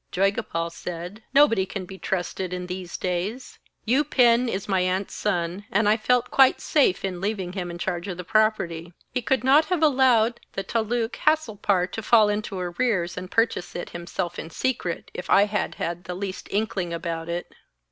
Joygopal said: 'Nobody can be trusted in these days. Upen is my aunt's son, and I felt quite safe in leaving him in charge of the property. He could not have allowed the taluk Hasilpur to fall into arrears and purchase it himself in secret, if I had had the least inkling about it.'